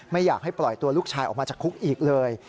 ไม่อยากให้ปล่อยตัวลูกชายออกมาจากคุกอีกเลย